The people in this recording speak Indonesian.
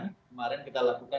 kemarin kita lakukan